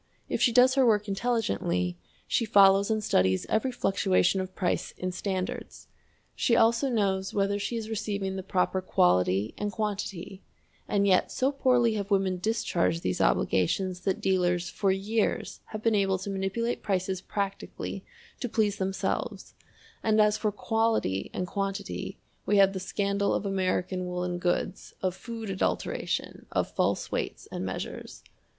If she does her work intelligently, she follows and studies every fluctuation of price in standards. She also knows whether she is receiving the proper quality and quantity; and yet so poorly have women discharged these obligations that dealers for years have been able to manipulate prices practically to please themselves, and as for quality and quantity we have the scandal of American woolen goods, of food adulteration, of false weights and measures.